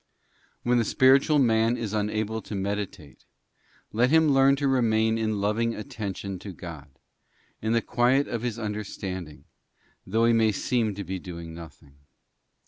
When the spiritual man is unable to meditate, let him learn to remain in loving attention to God, in the quiet of his un derstanding, though he may seem to be doing nothing.